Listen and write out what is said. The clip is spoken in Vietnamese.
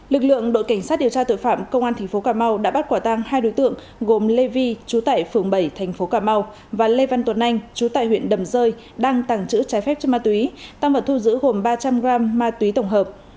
lực lượng đội cảnh sát điều tra tội phạm công an tp cà mau đã bắt quả tăng hai đối tượng gồm lê vi chú tải phường bảy thành phố cà mau và lê văn tuấn anh chú tại huyện đầm rơi đang tàng trữ trái phép chất ma túy tăng vật thu giữ gồm ba trăm linh g ma túy tổng hợp